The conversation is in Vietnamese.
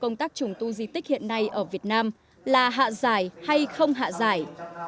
công tác trùng tu di tích hiện nay ở việt nam là hạ giải hay không hạ giải